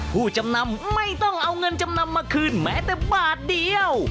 ผู้จำนำไม่ต้องเอาเงินจำนำมาคืนแม้แต่บาทเดียว